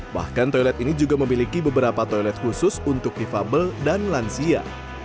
bahkan toilet ini juga memiliki beberapa toilet khusus untuk difabel dan lansia